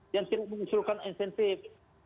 yang tidak mengusulkan insentif